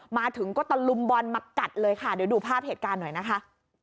มาถึงก็ตะลุมบอลมากัดเลยค่ะเดี๋ยวดูภาพเหตุการณ์หน่อยนะคะ